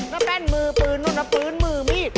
น้าแป้นมือปืนโน่นน้าปืนมือมี